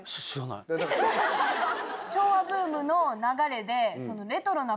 昭和ブームの流れで。